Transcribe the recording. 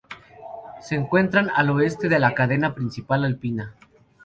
Se encuentran al oeste de la cadena principal alpina.